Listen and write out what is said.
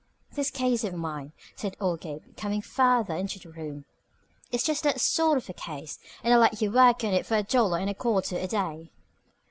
"This case of mine," said old Gabe, coming farther into the room, "is just that sort of a case. And I'll let you work on it for a dollar and a quatter a day."